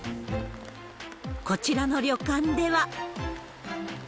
こちらの旅館では。